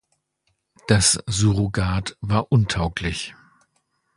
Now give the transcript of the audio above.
Das Surrogat war untauglich.